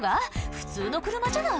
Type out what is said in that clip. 普通の車じゃない」